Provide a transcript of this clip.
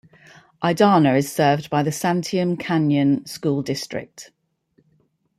Idanha is served by the Santiam Canyon School District.